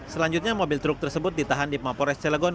selanjutnya mobil truk tersebut ditahan di pemapores celegon